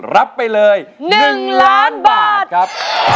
รับไปเลย๑ล้านบาทครับ